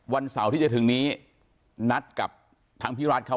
วันเสาร์ที่จะถึงนี้นัดกับทางพี่รัฐเขา